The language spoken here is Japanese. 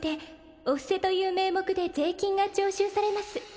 お布施という名目で税金が徴収されます